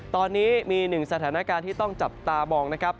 ตอนนี้มีหนึ่งสถานการณ์ที่ต้องจับตามองนะครับ